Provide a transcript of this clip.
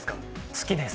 好きです。